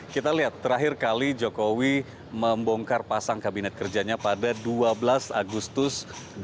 kita lihat terakhir kali jokowi membongkar pasang kabinet kerjanya pada dua belas agustus dua ribu dua puluh